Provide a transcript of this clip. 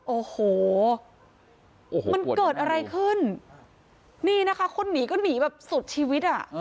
โอ้โหมันเกิดอะไรขึ้นนี่นะคะคนหนีก็หนีแบบสุดชีวิตอ่ะ